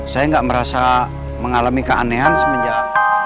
saya nggak merasa mengalami keanehan semenjak